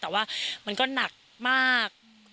แต่ว่ามันก็หนักมาก